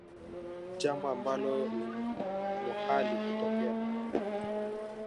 jambo ambalo ni muhali kutokea